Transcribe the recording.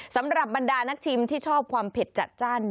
สำหรับบรรดานักชิมที่ชอบความเผ็ดจัดจ้าน